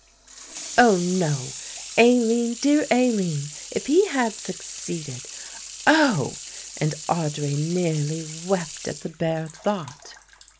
"Oh, no! Aline, dear Aline, if he had succeeded! Oh!" and Audry nearly wept at the bare thought.